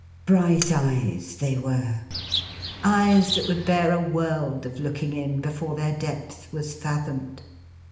Bright eyes they were. Eyes that would bear a world of looking in, before their depth was fathomed.